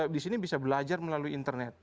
di sini bisa belajar melalui internet